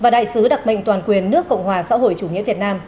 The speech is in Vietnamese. và đại sứ đặc mệnh toàn quyền nước cộng hòa xã hội chủ nghĩa việt nam